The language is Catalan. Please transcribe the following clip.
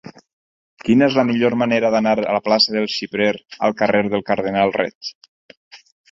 Quina és la millor manera d'anar de la plaça del Xiprer al carrer del Cardenal Reig?